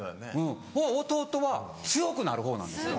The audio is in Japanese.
弟は強くなるほうなんですって。